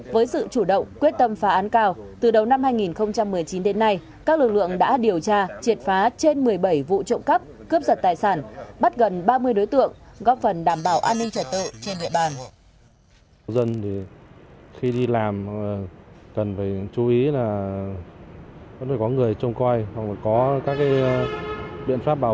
với sự chủ động quyết tâm phá án cao từ đầu năm hai nghìn một mươi chín đến nay các lực lượng đã điều tra triệt phá trên một mươi bảy vụ trộm cắp cướp giật tài sản bắt gần ba mươi đối tượng góp phần đảm bảo an ninh trả tự trên địa bàn